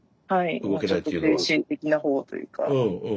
もうちょっと精神的な方というか。